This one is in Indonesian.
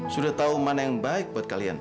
sudah tahu mana yang baik buat kalian